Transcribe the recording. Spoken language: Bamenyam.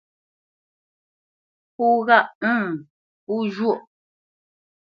Pó ghâʼ ə̂ŋ pó zhwôʼ.